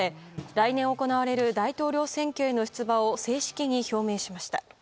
来年行われる大統領選挙への出馬を正式に表明しました。